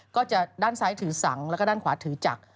ก็จะด้านซ้ายถือสังแล้วก็ด้านขวาถือจักร